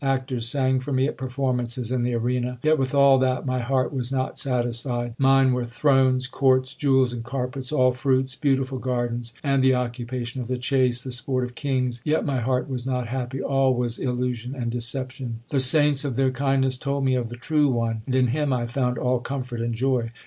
Actors sang for me at performances in the arena, Yet with all that my heart was not satisfied. Mine were thrones, courts, jewels, and carpets, All fruits, beautiful gardens, And the occupation of the chase, the sport of kings, Yet my heart was not happy ; all was illusion and decep tion. The saints of their kindness told me of the True One, And in Him I found all comfort and joy.